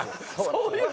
そういう事？